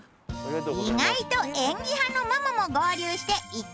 意外と演技派のママも合流して。